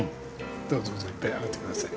どうぞいっぱいあがって下さい。